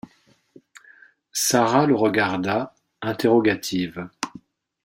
Sara le regarda, interrogative.